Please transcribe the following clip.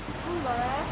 boleh ke sini mau ke pt